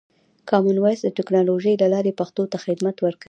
کامن وایس د ټکنالوژۍ له لارې پښتو ته خدمت ورکوي.